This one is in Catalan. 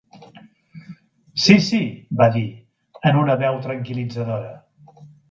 "Sí, sí", va dir, en una veu tranquil·litzadora.